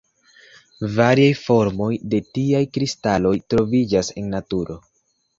Variaj formoj de tiaj kristaloj troviĝas en naturo.